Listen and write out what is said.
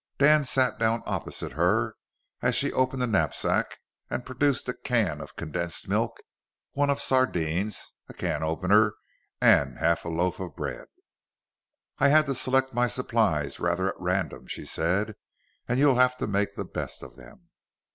Dan sat down opposite her as she opened the knapsack and produced a can of condensed milk, one of sardines, a can opener, and half a loaf of bread. "I had to select my supplies rather at random," she said, "and you'll have to make the best of them."